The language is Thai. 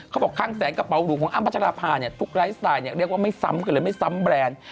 เขาบอกว่าคางแสงกระเป๋าหลุมของอ้ำพัชรภาพทุกไลฟ์สไตล์เรียกว่าไม่ซ้ำกันเลยไม่ซ้ำแบรนด์